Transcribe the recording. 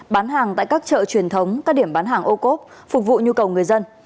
bán hàng tại các chợ truyền thống các điểm bán hàng ô cốp phục vụ nhu cầu người dân